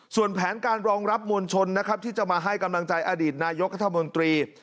ส่วนแผนการรองรับมวลชนนะครับที่จะมาให้กำลังใจอดีตนายกรัฐมนตรี